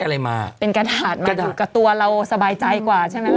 อะไรมาเป็นกระดาษมาอยู่กับตัวเราสบายใจกว่าใช่ไหมล่ะ